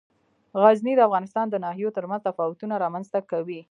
غزني د افغانستان د ناحیو ترمنځ تفاوتونه رامنځ ته کوي.